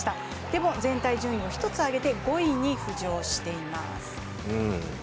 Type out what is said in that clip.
でも、全体順位を１つ上げて５位に浮上しています。